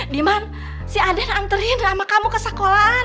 diman si aden anterin sama kamu ke sekolah